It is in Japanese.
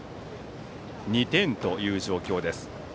２点という状況です。